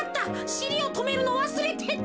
しりをとめるのわすれてた。